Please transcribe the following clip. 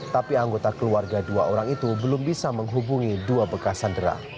tapi anggota keluarga dua orang itu belum bisa menghubungi dua bekas sandera